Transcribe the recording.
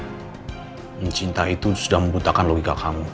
dan cinta itu sudah membutakan logika kamu